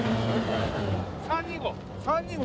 ３−２−５。